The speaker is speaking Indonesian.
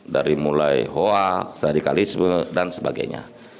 dari mulai hoax radikalisme dan sebagainya